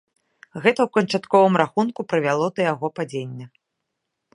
Гэта ў канчатковым рахунку прывяло да яго падзення.